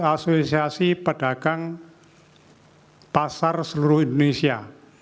asosiasi pedagang pasar seluruh indonesia